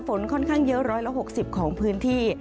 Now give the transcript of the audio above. ฝนค่อนข้างเยอะ๑๖๐ของพื้นที่